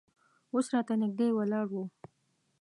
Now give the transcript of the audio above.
اوس راته نږدې ولاړ و.